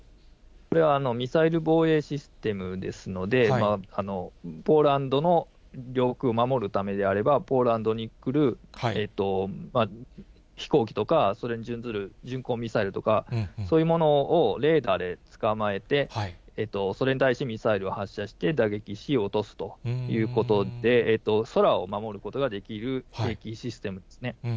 これはミサイル防衛システムですので、ポーランドの領空を守るためであれば、ポーランドに来る飛行機とか、それに準ずる巡航ミサイルとか、そういうものをレーダーで捕まえて、それに対して、ミサイルを発射して、打撃し、落とすということで、空を守ることができる兵器システムですね。